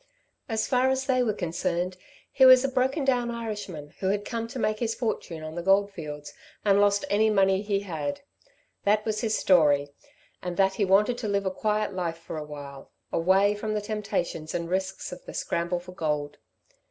As far as they were concerned he was a broken down Irishman who had come to make his fortune on the goldfields and lost any money he had. That was his story; and that he wanted to live a quiet life for awhile, away from the temptations and risks of the scramble for gold.